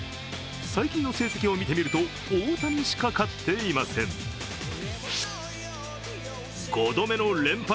最近の成績を見てみると大谷しか勝っていません５度目の連敗